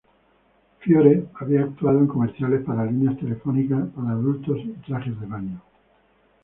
Fiore había actuado en comerciales para líneas telefónicas para adultos y trajes de baño.